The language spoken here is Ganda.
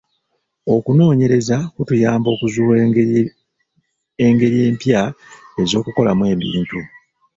Okunoonyereza kutuyamba okuzuula engeri empya ez'okukolamu ebintu.